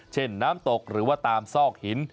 น้ำตกหรือว่าตามซอกหิน